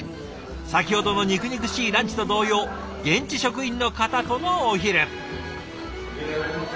先ほどの肉々しいランチと同様現地職員の方とのお昼。